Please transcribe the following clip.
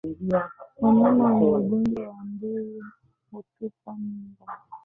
Wanyama wenye ugonjwa wa ndui hutupa mimba